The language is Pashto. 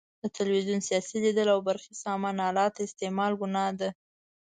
د تلویزیون لیدل او برقي سامان الاتو استعمال ګناه ده.